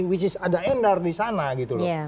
which is ada endar di sana gitu loh